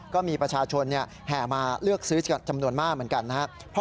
ก็มีประชาชนแห่มาเลือกซื้อกันจำนวนมากเหมือนกันนะครับ